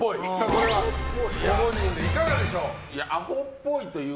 これはご本人からいかがでしょう。